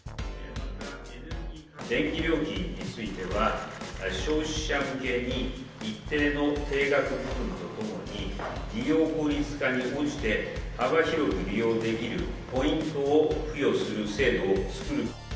電気料金については、消費者向けに一定の定額部分とともに、利用効率化に応じて幅広く利用できるポイントを付与する制度を作る。